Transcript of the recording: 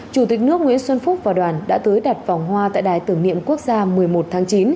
chủ tịch nước nguyễn xuân phúc và đoàn đã tới đặt vòng hoa tại đài tưởng niệm quốc gia một mươi một tháng chín